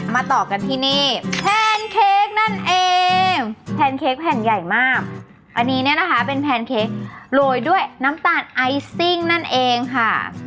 ต่อกันที่นี่แพนเค้กนั่นเองแพนเค้กแผ่นใหญ่มากอันนี้เนี่ยนะคะเป็นแพนเค้กโรยด้วยน้ำตาลไอซิ่งนั่นเองค่ะ